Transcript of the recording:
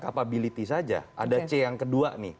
capability saja ada c yang kedua nih